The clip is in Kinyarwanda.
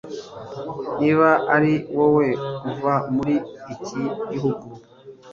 niba ari wowe, kuva muri iki gihugu